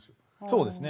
そうですね。